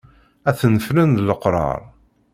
Ad ten-ffren d leqrar.